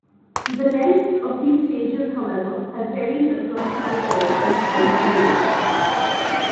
The lengths of these stages, however, have varied across cultures and time periods.